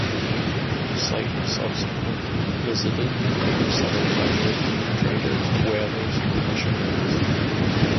The site was subsequently visited and later settled by European traders, whalers and missionaries.